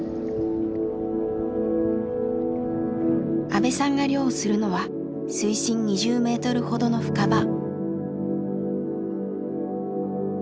阿部さんが漁をするのは水深２０メートルほどの深場。